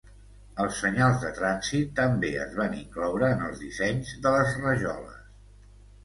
Els senyals de trànsit també es van incloure en els dissenys de les rajoles.